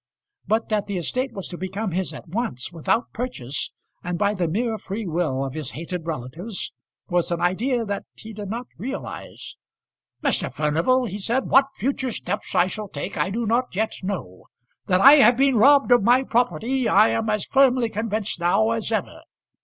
But that the estate was to become his at once, without purchase, and by the mere free will of his hated relatives, was an idea that he did not realise. "Mr. Furnival," he said, "what future steps I shall take I do not yet know. That I have been robbed of my property I am as firmly convinced now as ever.